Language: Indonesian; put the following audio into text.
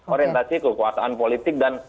orientasi kekuasaan politik dan